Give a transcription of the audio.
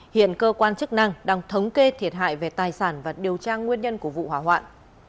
hiện cơ quan chức năng đang thống kê thiệt hại về tài sản và điều tra nguyên nhân của vụ hỏa hoạn